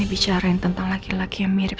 bicarain tentang laki laki yang mirip